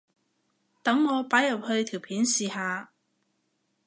等我擺入去條片試下